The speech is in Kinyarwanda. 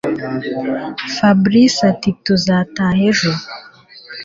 Fabric atituzataha ejo